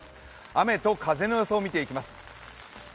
雨と風の予想を見てみます。